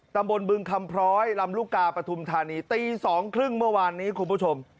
ตำบลบึงคำพร้อยลำลูกกาปฐุมธานีตี๒๓๐เมื่อวานนี้คุณผู้ชม